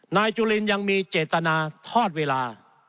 นายจุลินยังมีเจตนาทอดเวลา